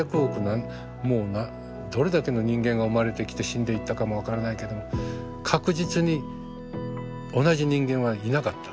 何もうどれだけの人間が生まれてきて死んでいったかも分からないけども確実に同じ人間はいなかった。